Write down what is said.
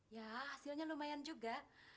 ya hasilnya lumayan juga